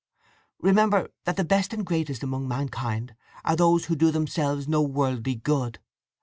Remember that the best and greatest among mankind are those who do themselves no worldly good.